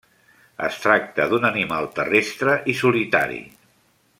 Es tracta d'un animal terrestre i solitari.